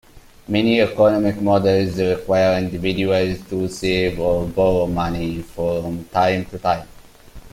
Many economic models require individuals to save or borrow money from time to time.